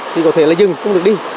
thì có thể là dừng cũng được đi